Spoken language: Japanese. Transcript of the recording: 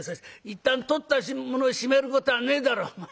「いったん取ったものを締めることはねえだろお前」。